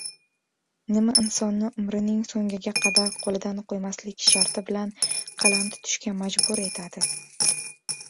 Nima insonni umrining soʻngiga qadar qoʻlidan qoʻymaslik sharti bilan qalam tutishga majbur etadi?